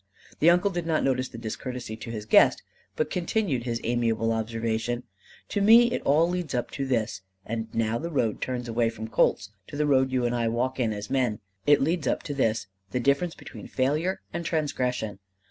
The uncle did not notice the discourtesy to his guest, but continued his amiable observation: "To me it all leads up to this and now the road turns away from colts to the road you and I walk in as men. It leads up to this: the difference between failure and transgression.